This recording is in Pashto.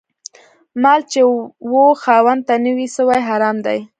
مال چي و خاوند ته نه وي سوی، حرام دی